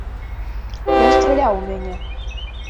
Ён страляў у мяне.